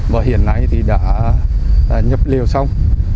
và hiện nay đã nhập liều xong